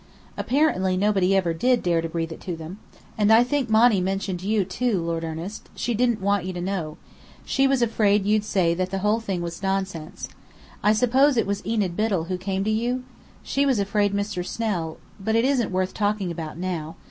Apparently nobody ever did dare to breathe it to them. And I think Monny mentioned you, too, Lord Ernest. She didn't want you to know. She was afraid you'd say that the whole thing was nonsense. I suppose it was Enid Biddell who came to you? She was afraid Mr. Snell but it isn't worth talking about, now.